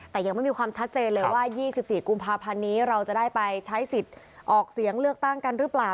แต่ยังไม่มีความชัดเจนเลยว่า๒๔กุมภาพันธ์นี้เราจะได้ไปใช้สิทธิ์ออกเสียงเลือกตั้งกันหรือเปล่า